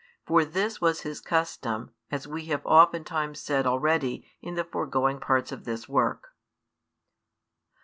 For this was His custom, as we have oftentimes said already in the foregoing parts of this work.